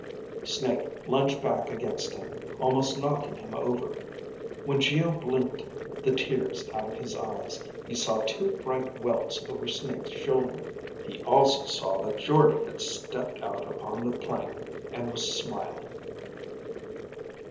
Snake lunged back against him, almost knocking him over. When Geo blinked the tears out of his eyes, he saw two bright welts over Snake's shoulder. He also saw that Jordde had stepped out upon the plank and was smiling.